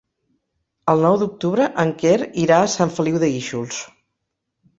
El nou d'octubre en Quer irà a Sant Feliu de Guíxols.